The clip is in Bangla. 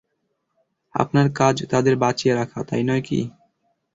আপনার কাজ তাদের বাঁচিয়ে রাখা, তাই নয় কি?